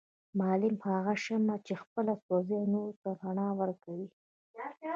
معلم هغه شمعه چي خپله سوزي او نورو ته رڼا ورکوي